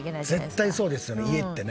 絶対そうですよね家ってね。